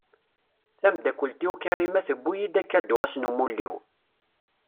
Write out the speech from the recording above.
Tamdakkelt-iw Karima tewwi-iyi-d akadu ass n umuli-w.